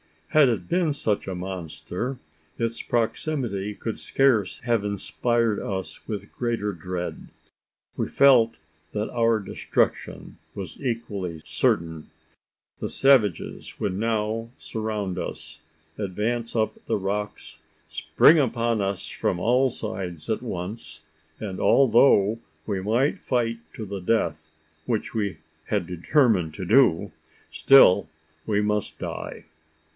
Had it been such a monster, its proximity could scarce have inspired us with a greater dread. We felt that our destruction was equally certain. The savages would now surround us advance up the rocks spring upon us from all sides at once; and, although we might fight to the death which we had determined to do still must we die.